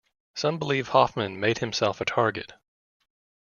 Some believed Hoffman made himself a target.